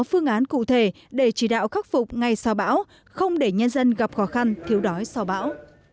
phương án cụ thể để chỉ đạo khắc phục ngay sau bão không để nhân dân gặp khó khăn thiếu đói sau bão